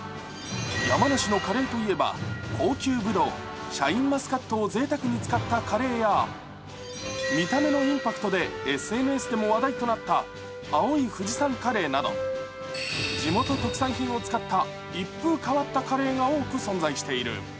山梨のカレーといえば高級ぶどうシャインマスカットをぜいたくに使ったカレーや、見た目のインパクトでＳＮＳでも話題となった青い富士山カレーなど地元特産品を使った一風変わったカレーが多く存在している。